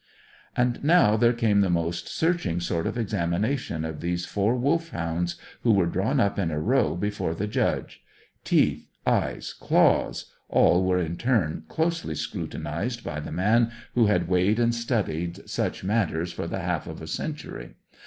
And now there came the most searching sort of examination of these four Wolfhounds, who were drawn up in a row before the Judge. Teeth, eyes, claws, all were in turn closely scrutinized by the man who had weighed and studied such matters for the half of a century.